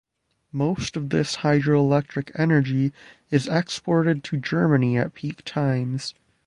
Most of this hydroelectric energy is exported to Germany at peak times.